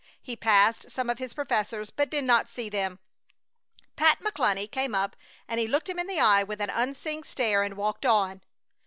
He passed some of his professors, but did not see them. Pat McCluny came up and he looked him in the eye with an unseeing stare, and walked on!